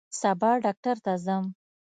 سبا ډاکټر ته ځم